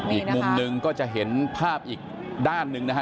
อีกมุมหนึ่งก็จะเห็นภาพอีกด้านหนึ่งนะฮะ